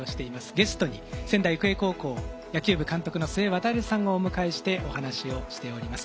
ゲストに仙台育英高校野球部監督の須江航さんをお迎えしてお話をしております。